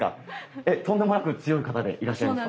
えっとんでもなく強い方でいらっしゃいますか？